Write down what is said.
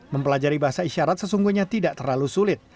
mempelajari bahasa isyarat sesungguhnya tidak terlalu sulit